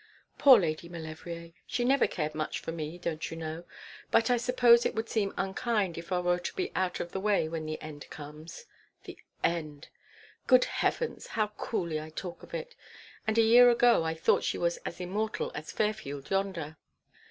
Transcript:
'Poor Lady Maulevrier! She never cared much for me, don't you know. But I suppose it would seem unkind if I were to be out of the way when the end comes. The end! Good heavens! how coolly I talk of it; and a year ago I thought she was as immortal as Fairfield yonder.'